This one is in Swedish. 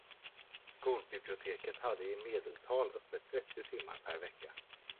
Skolbiblioteken hade i medeltal öppet trettio timmar per vecka.